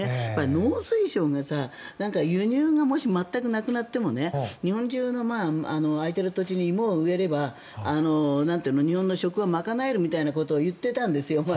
農水省が輸入がもし全くなくなっても日本中の、空いている土地に芋を植えれば日本の食は賄えるみたいなことを前、言ってたんですよ。